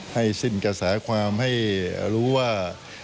ให้สิ้นกระแสความให้รู้ว่า